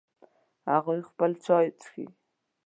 هغوی خپل چای څښي